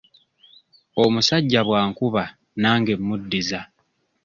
Omusajja bw'ankuba nange mmuddiza.